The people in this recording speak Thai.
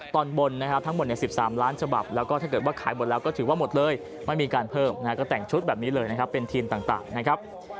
ตอนบนนะครับทั้งหมดใน๑๓ล้านฉบับแล้วก็ถ้าเกิดว่าขายหมดแล้วก็ถือว่าหมดเลยไม่มีการเพิ่มก็แต่งชุดแบบนี้เลยนะครับเป็นทีมต่างนะครับ